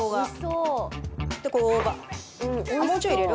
もうちょい入れる？